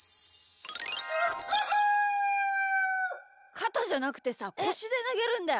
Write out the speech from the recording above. かたじゃなくてさこしでなげるんだよ。